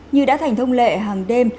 như đã thành thông lệ hàng đêm